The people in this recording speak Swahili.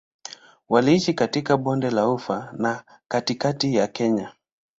Waliishi katika Bonde la Ufa na katikati ya Kenya.